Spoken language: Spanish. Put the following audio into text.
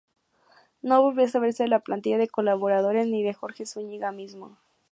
No volvió a saberse de la plantilla de colaboradores ni de Jorge Zuñiga mismo.